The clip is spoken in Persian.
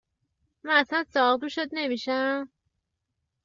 من اصلا ساقدوشت نمیشم؟